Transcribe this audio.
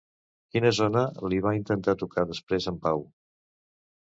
Quina zona li va intentar tocar després en Pau?